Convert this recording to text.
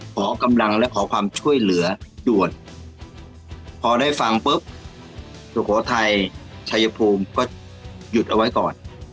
ขอกำลังและขอความช่วยเหลือด่วนพอได้ฟังปุ๊บสุโขทัยชัยภูมิก็หยุดเอาไว้ก่อน